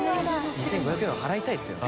２５００円は払いたいですよね